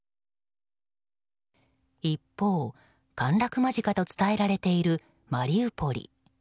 一方、陥落間近と伝えられているマリウポリ。